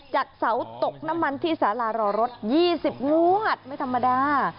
จากเสาตกน้ำมันที่สารารอรถ๒๐งวดไม่ธรรมดา